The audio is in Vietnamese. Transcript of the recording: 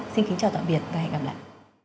xin kính chào tạm biệt và hẹn gặp lại